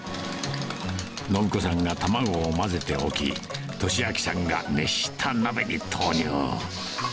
申子さんが卵を混ぜておき、利昭さんが熱した鍋に投入。